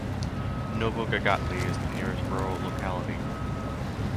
Novogagatli is the nearest rural locality.